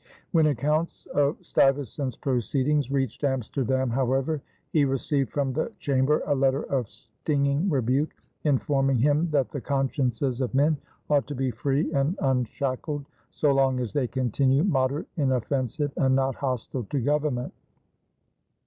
When accounts of Stuyvesant's proceedings reached Amsterdam, however, he received from the Chamber a letter of stinging rebuke, informing him that "the consciences of men ought to be free and unshackled, so long as they continue moderate, inoffensive, and not hostile to government."